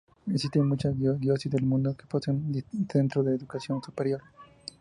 Existen muchas diócesis en el mundo que poseen centros de educación superior.